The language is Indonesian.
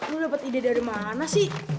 lu dapat ide dari mana sih